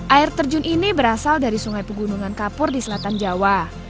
air terjun ini berasal dari sungai pegunungan kapur di selatan jawa